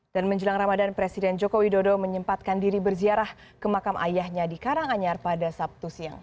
dan menjelang ramadan presiden jokowi dodo menyempatkan diri berziarah ke makam ayahnya di karanganyar pada sabtu siang